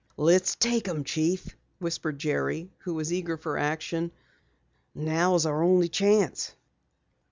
"Let's take 'em, Chief!" whispered Jerry, who was eager for action. "Now is our only chance."